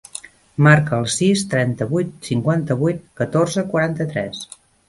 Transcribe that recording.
Marca el sis, trenta-vuit, cinquanta-vuit, catorze, quaranta-tres.